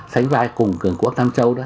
sánh vai cùng cường quốc nam châu đó